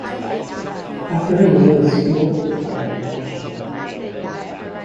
After his release, Wolff retired in Austria.